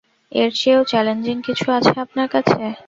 এরচেয়েও challenging কিছু আছে আপনার কাছে?